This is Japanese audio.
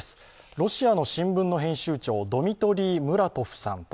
ロシアの新聞の編集長、ドミトリ・ムラトフさんと